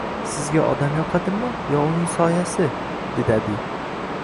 — Sizga odam yoqadimi yo uning soyasi? – dedi adib.